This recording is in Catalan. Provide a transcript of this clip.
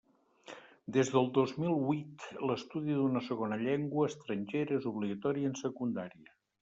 Des del dos mil huit, l'estudi d'una segona llengua estrangera és obligatori en Secundària.